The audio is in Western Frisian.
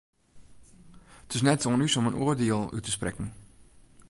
It is net oan ús om in oardiel út te sprekken.